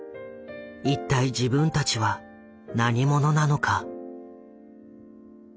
一体自分たちは何者なのか。